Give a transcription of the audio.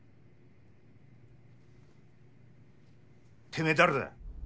てめぇ誰だ？